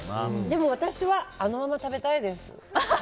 でも私はあのまま食べたいです。